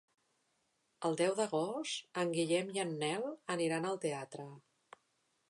El deu d'agost en Guillem i en Nel aniran al teatre.